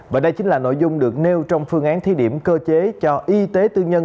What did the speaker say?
và đây chính là nội dung được nêu trong phương án thi điểm cơ chế cho y tế tư nhân